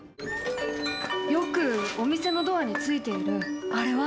よくお店のドアについているあれは？